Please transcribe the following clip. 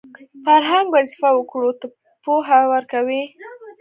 فرهنګ وظیفه وګړو ته پوهه ورکوي